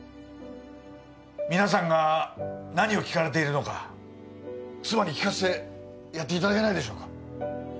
皆さんが何を聴かれているのか妻に聴かせてやっていただけないでしょうか